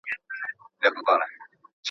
اوس د کار او پرمختګ وخت دی.